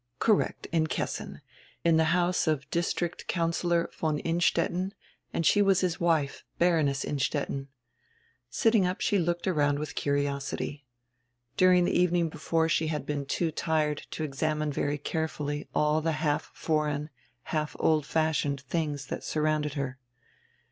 Correct, in Kessin, in the house of District Councillor von Innstetten, and she was his wife, Baroness Innstetten. Sitting up she looked around with curiosity. During the evening before she had been too tired to exam ine very carefully all the half foreign, half old fashioned tilings that surrounded her.